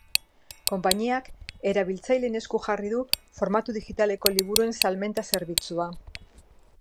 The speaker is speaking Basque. Konpainiak erabiltzaileen esku jarri du formatu digitaleko liburuen salmenta zerbitzua.